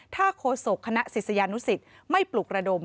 ถ้าโฆษกคณะศิษยานุสิตไม่ปลุกระดม